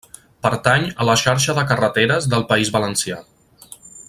Pertany a la Xarxa de carreteres del País Valencià.